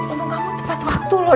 untuk kamu tepat waktu loh